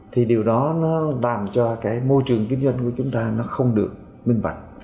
thì điều đó nó làm cho cái môi trường kinh doanh của chúng ta nó không được minh bạch